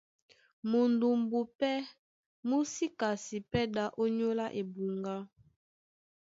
Mudumbu pɛ́ mú sí kasi pɛ́ ɗá ónyólá ebuŋgá.